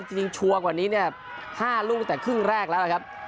ชัวร์กว่านี้เนี่ย๕ลูกตั้งแต่ครึ่งแรกแล้วนะครับ